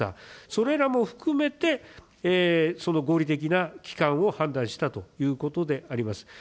それらも含めて、その合理的な期間を判断したということであります。